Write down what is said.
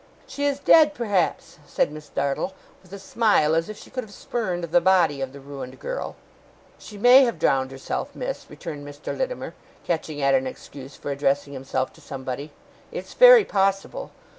'She is dead, perhaps,' said Miss Dartle, with a smile, as if she could have spurned the body of the ruined girl. 'She may have drowned herself, miss,' returned Mr. Littimer, catching at an excuse for addressing himself to somebody. 'It's very possible.